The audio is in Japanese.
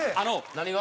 何が？